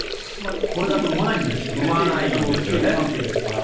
ほとんど生まないんですよね、警備関係ですから。